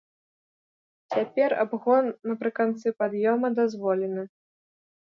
Цяпер абгон напрыканцы пад'ёма дазволены.